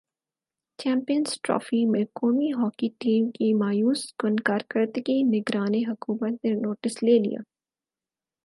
champions trophy میں قومی hockey team کی مایوس کن کارکردگی نگران حکومت نے نوٹس لے لیا